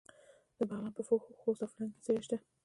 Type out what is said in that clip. د بغلان په خوست او فرنګ کې څه شی شته؟